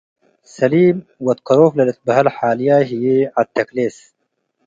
ሰሊም ወድ ከሮፍ ለልትበሀል ሓልያይ ህዬ ዐድ ተክሌስ